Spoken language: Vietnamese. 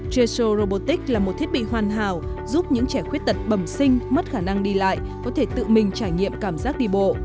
traso robotic là một thiết bị hoàn hảo giúp những trẻ khuyết tật bầm sinh mất khả năng đi lại có thể tự mình trải nghiệm cảm giác đi bộ